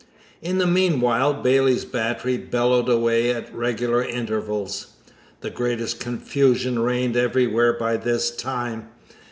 In the meanwhile Bailey's Battery bellowed away at regular intervals. The greatest confusion reigned everywhere by this time.